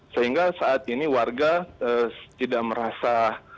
sehingga saat ini warga tidak merasa